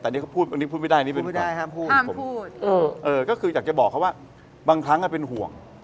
แต่นี่เขาพูดอันนี้พูดไม่ได้นี่ก็คืออยากจะบอกเขาว่าบางครั้งเป็นห่วง